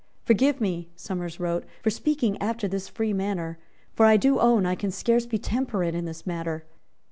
"Forgive me," Somers wrote, "for speaking after this free manner; for I do own I can scarce be temperate in this matter."